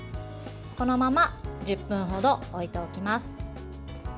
このまま１０分ほど置いておきます。